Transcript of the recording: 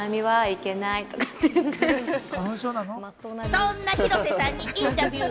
そんな広瀬さんにインタビュー。